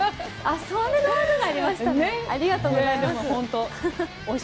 そういう技がありましたね。